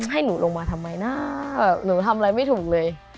ให้หนูลงมาทำไมนะหนูทำอะไรไม่ถูกเลย